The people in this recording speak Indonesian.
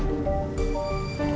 ulang tahun gue